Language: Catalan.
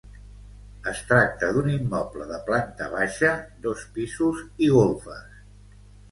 Es tracta d'un immoble de planta baixa, dos pisos i golfes.